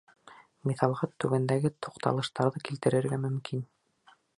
Миҫалға түбәндәге туҡталыштарҙы килтерергә мөмкин.